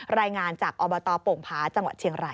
รายงานจากอบตโป่งผาจังหวัดเชียงราย